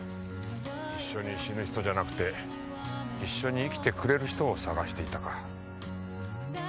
一緒に死ぬ人じゃなくて一緒に生きてくれる人を探していたか。